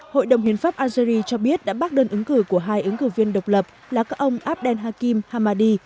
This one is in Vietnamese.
hội đồng hiến pháp algeria cho biết đã bác đơn ứng cử của hai ứng cử viên độc lập là các ông abdel hakim hamadi